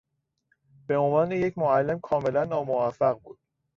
به عنوان یک معلم کاملا ناموفق بود.